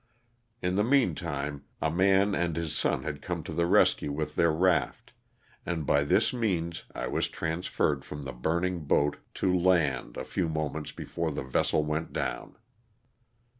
In the meantime a man and his son had come to the rescue with their raft, and by this means I was transferred from the burning boat to land a few moments before the vessel went down.